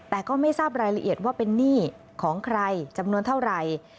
แต่ก็ไม่ทราบรายละเอียดว่าเป็นหนี้ของใครจำนวนเท่าไหร่